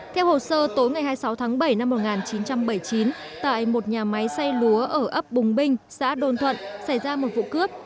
theo hồ sơ tối ngày hai mươi sáu tháng bảy năm một nghìn chín trăm bảy mươi chín tại một nhà máy xây lúa ở ấp bùng binh xã đôn thuận xảy ra một vụ cướp